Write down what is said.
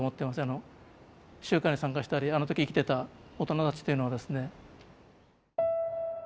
あの集会に参加したりあの時生きてた大人たちっていうのはですね。